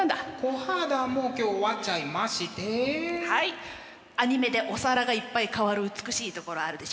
コハダもう今日終わっちゃいましてはいアニメでお皿がいっぱい変わる美しいところあるでしょ？